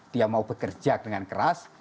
dia mau bekerja dengan keras